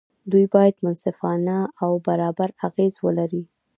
دوی باید منصفانه او برابر اغېز ولري.